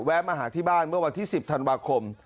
มาหาที่บ้านเมื่อวันที่๑๐ธันวาคม